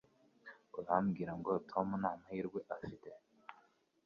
Urambwira ngo Tom nta mahirwe afite?